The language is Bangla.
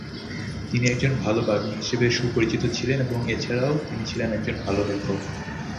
তিনি একজন ভালো বাগ্মী হিসেবে সুপরিচিত ছিলেন, এছাড়াও তিনি ছিলেন একজন ভালো লেখক।